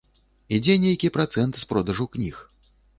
Ідзе нейкі працэнт з продажу кніг.